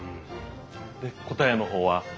で答えの方は？